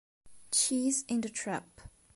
Cheese in the Trap